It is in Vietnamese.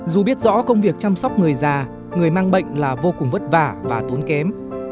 dù biết rõ công việc chăm sóc người già người mang bệnh là vô cùng vất vả và tốn kém